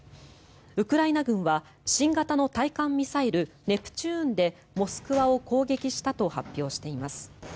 ウクライナ軍は新型の対艦ミサイルネプチューンで「モスクワ」を攻撃したと発表しています。